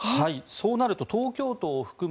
そうなると東京都を含む